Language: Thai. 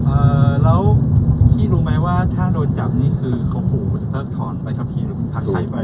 เอ่อแล้วพี่รู้ไหมว่าถ้าโดนจับนี่คือเขาขู่จะเพิกถอนใบขับขี่พักไทยไว้